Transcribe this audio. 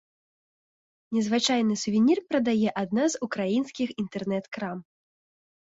Незвычайны сувенір прадае адна з украінскіх інтэрнэт-крам.